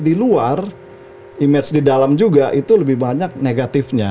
di luar image di dalam juga itu lebih banyak negatifnya